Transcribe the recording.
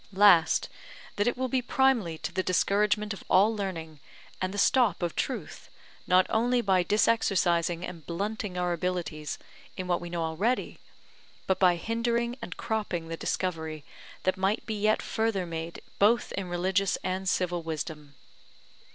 Last, that it will be primely to the discouragement of all learning, and the stop of truth, not only by disexercising and blunting our abilities in what we know already, but by hindering and cropping the discovery that might be yet further made both in religious and civil wisdom.